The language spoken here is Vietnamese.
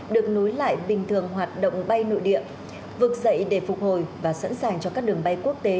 được nối lại bình thường hoạt động bay nội địa vực dậy để phục hồi và sẵn sàng cho các đường bay quốc tế